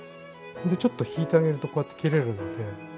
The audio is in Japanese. ちょっと引いてあげるとこうやって切れるので。